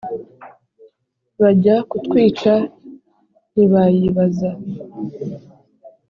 Bajya kutwica ntibayibaza !